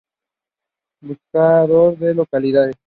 Buscador de Localidades.